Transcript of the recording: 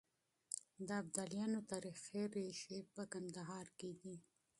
د ابدالیانو تاريخي ريښې په کندهار کې دي.